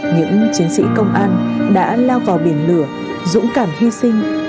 những chiến sĩ công an đã lao vào biển lửa dũng cảm hy sinh